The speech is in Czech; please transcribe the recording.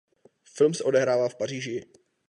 Film se odehrává v Paříži.